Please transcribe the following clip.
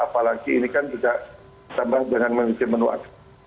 apalagi ini kan juga tambah dengan mengisi menuak